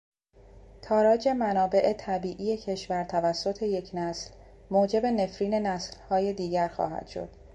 تاراج منابع طبیعی کشور توسط یک نسل موجب نفرین نسلهای دیگر خواهد شد.